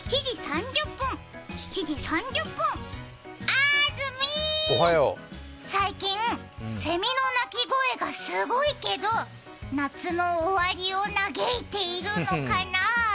あーずみー、最近、せみの鳴き声がすごいけど、夏の終わりを嘆いているのかなぁ。